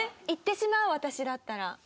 言ってしまう私だったら。